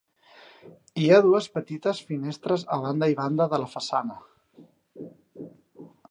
Hi ha dues petites finestres a banda i banda de la façana.